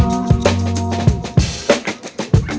nggak ada yang denger